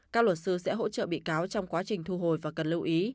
các luật sư sẽ hỗ trợ bị cáo trong quá trình thu hồi và cần lưu ý